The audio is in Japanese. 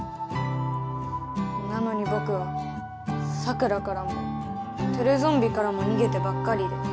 なのにぼくはサクラからもテレゾンビからもにげてばっかりで。